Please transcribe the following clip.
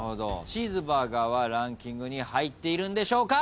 チーズバーガーはランキングに入っているんでしょうか？